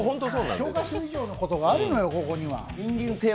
教科書以上のことがあるのよ、ここには。